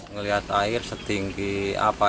melihat air setinggi apa